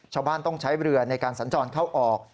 ชาวบ้านต้องใช้เรือในการสัญจรเข้าออก